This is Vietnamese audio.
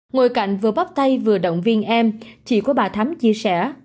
ngồi cạnh vừa bóp tay vừa động viên em chị của bà thấm chia sẻ